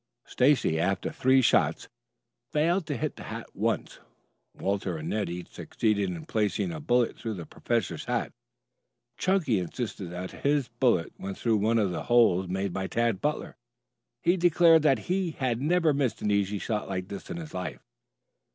Stacy, after three shots, failed to hit the hat once. Walter and Ned each succeeded in placing a bullet through the professor's hat. Chunky insisted that his bullet went through one of the holes made by Tad Butler. He declared that he had never missed an easy shot like that in his life.